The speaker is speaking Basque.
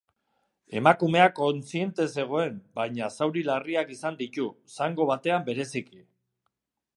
Emakumea kontziente zegoen baina zauri larriak izan ditu, zango batean bereziki.